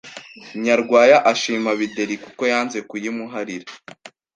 Nyarwaya ashima Bideri kuko yanze kuyimuharira